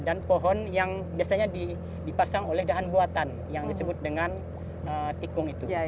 dan pohon yang biasanya dipasang oleh dahan buatan yang disebut dengan tikung itu